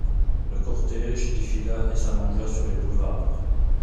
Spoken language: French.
Le cortége défila et s'allongea sur les boulevards.